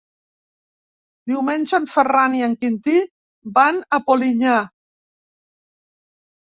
Diumenge en Ferran i en Quintí van a Polinyà.